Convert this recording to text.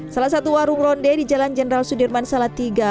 salah satu warung ronde di jalan jenderal sudirman salatiga